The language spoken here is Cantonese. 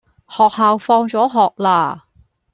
學校放咗學喇